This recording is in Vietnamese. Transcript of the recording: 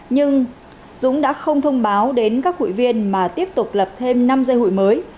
nhưng dũng đã không thông báo đến các hội viên mà tiếp tục lập thêm năm dây hụi mới